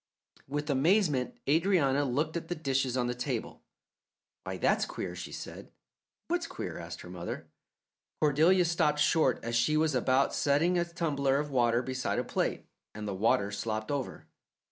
With amazement Adrianna looked at the dishes on the table. "Why, that's queer!" she said. "What's queer?" asked her mother. Cordelia stopped short as she was about setting a tumbler of water beside a plate, and the water slopped over.